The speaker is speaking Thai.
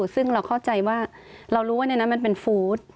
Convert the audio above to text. ซึ่งเราเข้าใจว่าเรารู้ว่าในนั้นมันเป็นฟู้ด